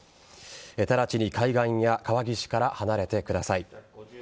直ちに海岸や川岸から離れてください。